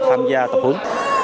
chỉ cần tham gia tập huấn